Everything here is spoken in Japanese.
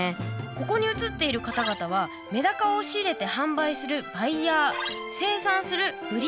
ここに写っている方々はメダカを仕入れて販売する「バイヤー」生産する「ブリーダー」